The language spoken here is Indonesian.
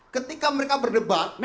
ketika mereka berdebat